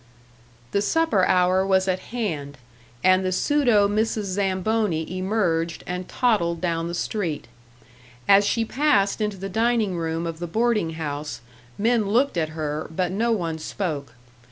The supper hour was at hand, and the pseudo Mrs. Zamboni emerged and toddled down the street. As she passed into the dining room of the boarding house, men looked at her, but no one spoke.